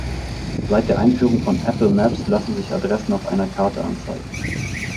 Seit der Einführung von Apple Maps lassen sich Adressen auf einer Karte anzeigen.